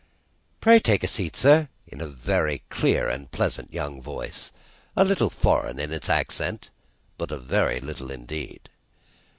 "Pray take a seat, sir." In a very clear and pleasant young voice; a little foreign in its accent, but a very little indeed.